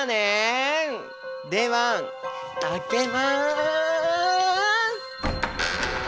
では開けます！